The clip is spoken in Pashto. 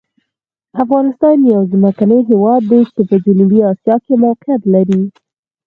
افغانستان یو ځمکني هېواد دی چې په جنوبي آسیا کې موقعیت لري.